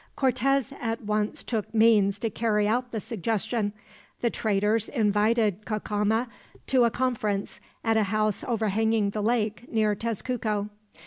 Cortez at once took means to carry out the suggestion. The traitors invited Cacama to a conference, at a house overhanging the lake near Tezcuco.